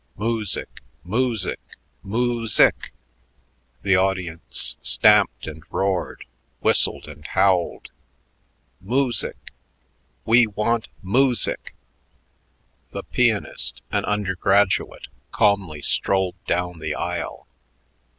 "Moosick! Moosick! Moo sick!" The audience stamped and roared, whistled and howled. "Moosick! We want moosick!" The pianist, an undergraduate, calmly strolled down the aisle.